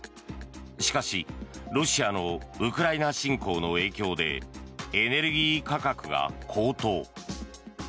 しかしロシアのウクライナ侵攻の影響でエネルギー価格が高騰。